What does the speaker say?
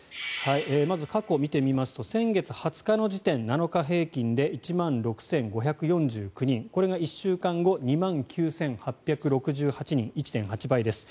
まず過去を見てみますと先月２０日の時点７日平均で１万６５４９人これが１週間後２万９８６８人１．８倍です。